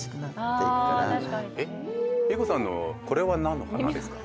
ＩＫＫＯさんのこれは何の花ですか？